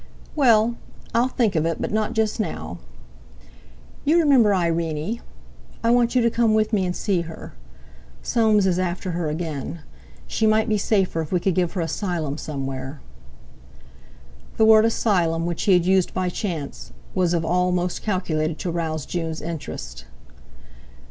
_" "Well, I'll think of it, but not just now. You remember Irene? I want you to come with me and see her. Soames is after her again. She might be safer if we could give her asylum somewhere." The word asylum, which he had used by chance, was of all most calculated to rouse June's interest.